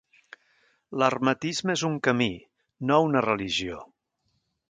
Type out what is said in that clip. L'hermetisme és un camí, no una religió.